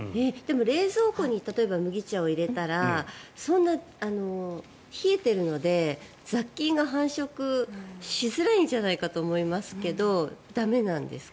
冷蔵庫に例えば麦茶を入れたらそんなに冷えているので雑菌が繁殖しづらいんじゃないかと思いますけど駄目なんですか？